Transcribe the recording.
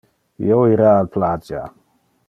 Io ira al plagia.